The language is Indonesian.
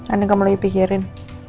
aneh kamu lagi pikirin